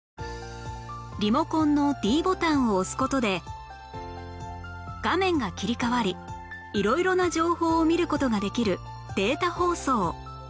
リモコンの ｄ ボタンを押す事で画面が切り替わり色々な情報を見る事ができるデータ放送